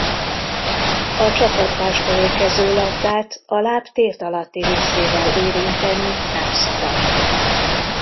A csapattárstól érkező labdát a láb térd alatti részével érinteni nem szabad.